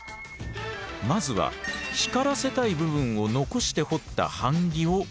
まずは光らせたい部分を残して彫った版木を用意。